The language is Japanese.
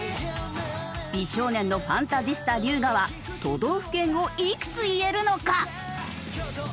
美少年のファンタジスタ龍我は都道府県をいくつ言えるのか？